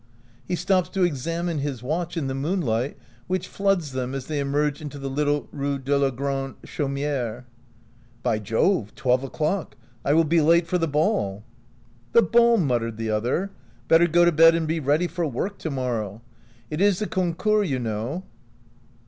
He stops to examine his watch in the moonlight which floods them as they emerge into the little Rue de la Grande Chaumiere. " By Jove! twelve o'clock — I will be late for the ball." " The ball !" muttered the other. " Better go to bed and be ready for work to morrow. It is the concours, you know."